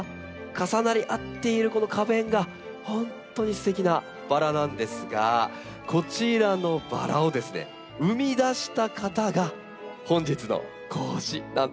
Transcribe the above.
重なり合っているこの花弁が本当にすてきなバラなんですがこちらのバラをですね生み出した方が本日の講師なんです。